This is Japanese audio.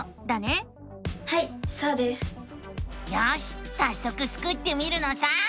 よしさっそくスクってみるのさ！